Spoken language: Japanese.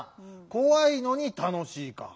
「こわいのにたのしい」か。